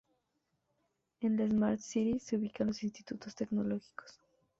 En las Smart Cities se ubicarán los Institutos Tecnológicos.